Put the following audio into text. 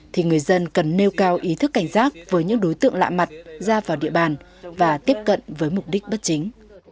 thì người dân cần nêu cao ý thức cảnh giác với những đối tượng lạ mặt ra vào địa bàn và tiếp cận với mục đích bất chính